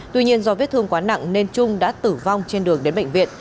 tuy nhiên do vết thương quá nặng nên trung đã tử vong trên đường đến bệnh viện